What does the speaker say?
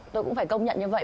tôi cũng phải công nhận như vậy